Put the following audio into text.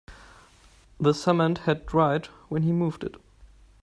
The cement had dried when he moved it.